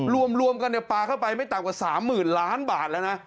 รวมกันเนี่ยปาเข้าไปไม่ต่างกว่า๓๐๐๐๐๐๐๐บาทแล้วนะ